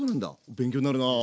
勉強なるなあ。